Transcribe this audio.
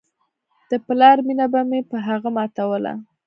د پلار مينه به مې په هغه ماتوله.